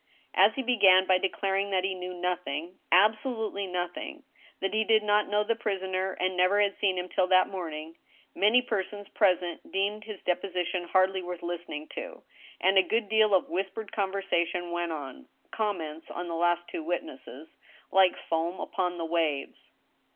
As he began by declaring that he knew nothing, absolutely noth ing— that he did not know the prisoner and never had seen him till that morning— many persons present deemed his deposition hardly worth listening to, and a good deal of whispered conversation went on (comments on the last two witnesses), like foam upon the Vaves.